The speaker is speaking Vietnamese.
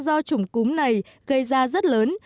do chủng cúm này gây ra rất lớn